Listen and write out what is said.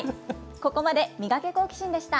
ここまでミガケ、好奇心！でした。